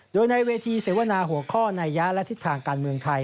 โดยในเวทีเสวนาหัวข้อนายยะและทิศทางการเมืองไทย